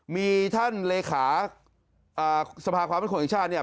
มีท่านเลขาสภาความเป็นคนแห่งชาติเนี่ย